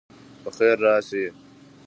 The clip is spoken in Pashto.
په خیر راسئ.